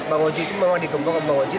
bang oji itu memang digembong ke bang oji